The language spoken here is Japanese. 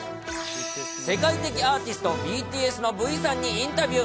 世界的アーティスト、ＢＴＳのＶさんにインタビュー。